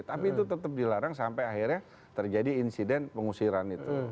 tapi itu tetap dilarang sampai akhirnya terjadi insiden pengusiran itu